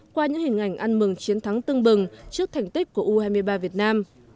qua những hình ảnh ăn mừng chiến thắng tưng bừng trước thành tích của u hai mươi ba việt nam